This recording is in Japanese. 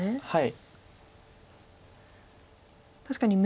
はい。